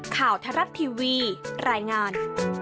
ข่าวทรัพย์ทีวีรายงาน